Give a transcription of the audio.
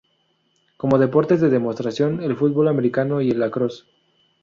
Como deportes de demostración, el fútbol americano y el Lacrosse.